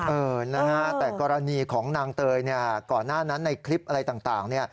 เออแต่กรณีของนางเตยก่อนหน้านั้นในคลิปอะไรต่าง